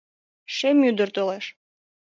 Шемӱдыр толеш.